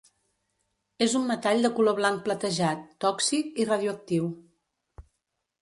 És un metall de color blanc platejat, tòxic i radioactiu.